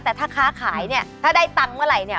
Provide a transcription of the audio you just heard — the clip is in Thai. แต่ถ้าค้าขายถ้าได้ตังค์เมื่อไหร่